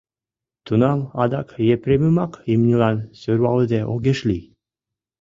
Тунам адак Епремымак имньылан сӧрвалыде огеш лий.